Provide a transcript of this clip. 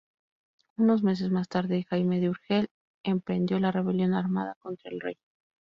Unos meses más tarde, Jaime de Urgel emprendió la rebelión armada contra el rey.